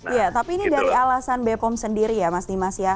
iya tapi ini dari alasan bepom sendiri ya mas dimas ya